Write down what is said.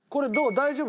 大丈夫？